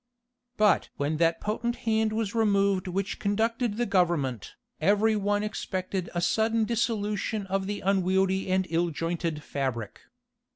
But when that potent hand was removed which conducted the government, every one expected a sudden dissolution of the unwieldy and ill jointed fabric.